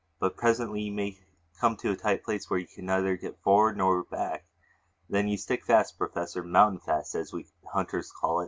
But presently you may come to a tight place where you can neither get forward nor back. And then you stick fast, Professor! Mountain fast, as we hunters call it. PROFESSOR RUBEK.